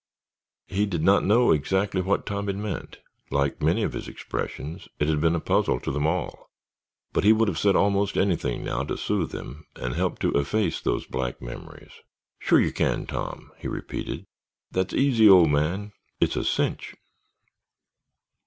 He did not know exactly what Tom had meant; like many of his expressions, it had been a puzzle to them all, but he would have said almost anything now to soothe him and help to efface those black memories. "Sure you can, Tom," he repeated. "That's easy—old man. It's a cinch!"